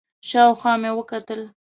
شاوخوا مې وکتل،